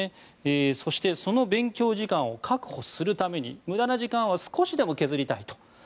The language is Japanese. そして、その勉強時間を確保するために無駄な時間は少しでも削りたいと。